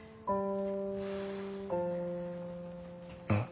うん。